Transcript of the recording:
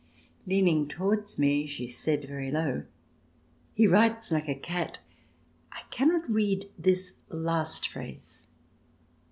Leaning towards me she said very low: "He writes like a cat. I cannot read this last phrase."